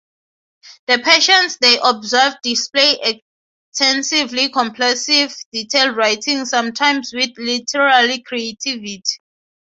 The patients they observed displayed extensively compulsive detailed writing, sometimes with literary creativity.